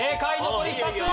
残り２つ。